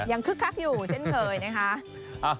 คึกคักอยู่เช่นเคยนะคะ